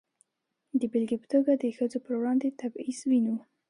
د بېلګې په توګه د ښځو پر وړاندې تبعیض وینو.